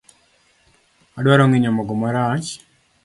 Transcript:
Adwaro ng'inyo mogo marach.